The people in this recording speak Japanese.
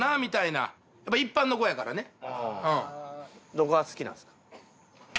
どこが好きなんですか？